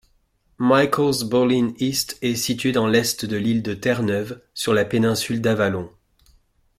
Michael's-Bauline East est situé dans l'Est de l'île de Terre-Neuve, sur la péninsule d'Avalon.